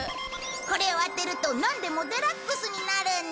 これを当てるとなんでもデラックスになるんだ。